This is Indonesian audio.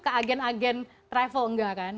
ke agen agen travel enggak kan